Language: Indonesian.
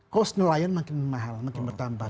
cost nelayan makin mahal makin bertambah